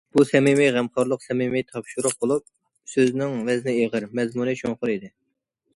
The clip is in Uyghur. بۇ سەمىمىي غەمخورلۇق، سەمىمىي تاپشۇرۇق بولۇپ، سۆزنىڭ ۋەزنى ئېغىر، مەزمۇنى چوڭقۇر ئىدى.